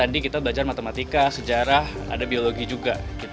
tadi kita belajar matematika sejarah ada biologi juga